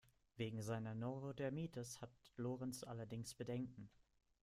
Wegen seiner Neurodermitis hat Lorenz allerdings Bedenken.